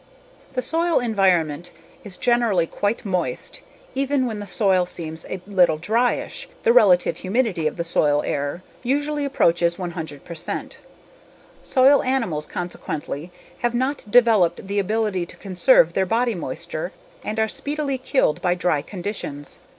The soil environment is generally quite moist; even when the soil seems a little dryish the relative humidity of the soil air usually approaches 100 percent. Soil animals consequently have not developed the ability to conserve their body moisture and are speedily killed by dry conditions.